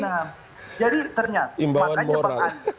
nah jadi ternyata